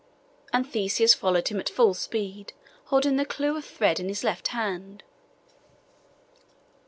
And Theseus followed him at full speed, holding the clue of thread in his left hand.